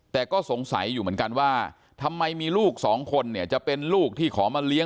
แต่ก็สงสัยอยู่เหมือนกันว่าทำไมมีลูกสองคนเนี่ยจะเป็นลูกที่ขอมาเลี้ย